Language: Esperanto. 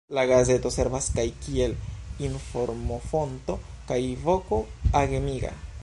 La gazeto servas kaj kiel informofonto kaj voko agemiga.